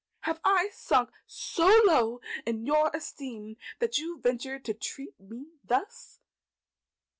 Have I sunk so low in your esteem that you venture to treat me thus?"